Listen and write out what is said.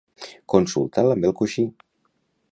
Consulta'l amb el coixí